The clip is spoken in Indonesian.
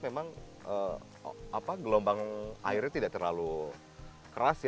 memang gelombang airnya tidak terlalu keras ya